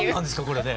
これね。